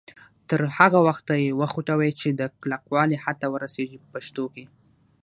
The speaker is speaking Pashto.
تر هغه وخته یې وخوټوئ چې د کلکوالي حد ته ورسیږي په پښتو کې.